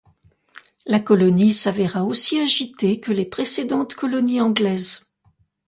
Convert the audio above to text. La colonie s'avéra aussi agitée que les précédentes colonies anglaises.